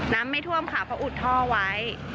ไม่ท่วมค่ะเพราะอุดท่อไว้